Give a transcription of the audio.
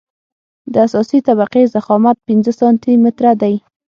د اساسي طبقې ضخامت پنځه سانتي متره دی